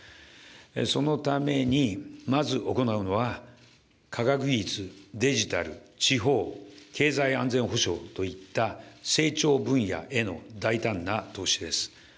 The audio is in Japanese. そのために、まず行うのは、科学技術、デジタル、地方、経済安全保障といった成長分野への大胆な投資です。